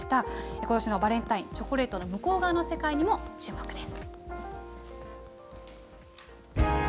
ことしのバレンタイン、チョコレートの向こう側の世界にも注目です。